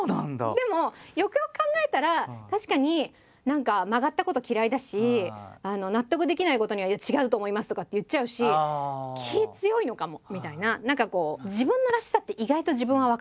でもよくよく考えたら確かに何か曲がったこと嫌いだし納得できないことには「いや違うと思います」とかって言っちゃうし気強いのかもみたいな。